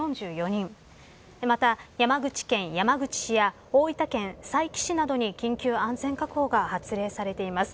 また、山口県山口市が大分県佐伯市などに緊急安全確保が発令されています。